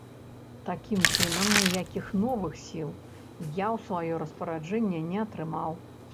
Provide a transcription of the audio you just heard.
Такім чынам, ніякіх новых сіл я ў сваё распараджэнне не атрымаў.